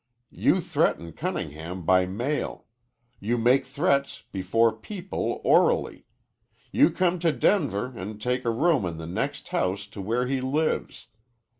You threaten Cunningham by mail. You make threats before people orally. You come to Denver an' take a room in the next house to where he lives.